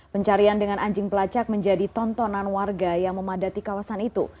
pencarian dengan anjing pelacak menjadi tontonan warga yang memadati kawasan itu